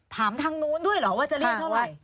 ถามทางนู้นด้วยเหรอว่าจะเรียกเท่าไหร่